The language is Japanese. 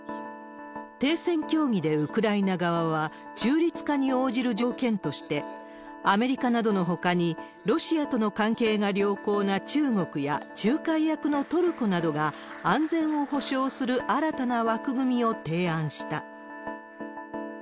停戦協議でウクライナ側は、中立化に応じる条件として、アメリカなどのほかに、ロシアとの関係が良好な中国や仲介役のトルコなどが、安全を保証する新たな枠組みを提案した。